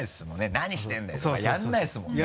「何してるんだよ！」とかやらないですもんね。